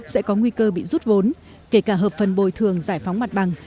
sẽ có nguy cơ bị rút vốn kể cả hợp phần bồi thường giải phóng mặt bằng